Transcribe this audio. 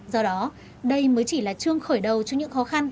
do đó đây mới chỉ là trương khởi đầu cho những khó khăn